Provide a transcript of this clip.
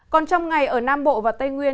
còn trong ngày ở nam bộ và tây nguyên